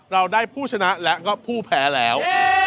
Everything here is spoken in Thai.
เราได้ผู้ชนะและก็ผู้แพ้แล้ว